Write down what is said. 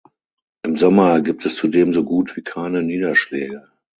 Im Sommer gibt es zudem so gut wie keine Niederschläge.